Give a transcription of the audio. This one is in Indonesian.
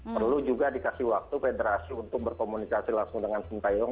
perlu juga dikasih waktu federasi untuk berkomunikasi langsung dengan sintayong